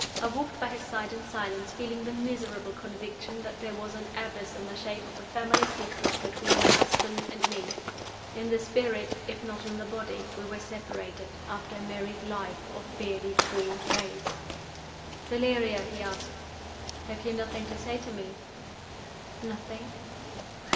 I walked by his side in silence, feeling the miserable conviction that there was an abyss in the shape of a family secret between my husband and me. In the spirit, if not in the body, we were separated, after a married life of barely four days. "Valeria," he asked, "have you nothing to say to me?" "Nothing."